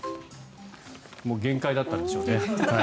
もう限界だったんでしょうね。